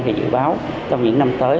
thì dự báo trong những năm tới